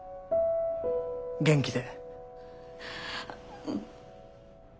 元気で。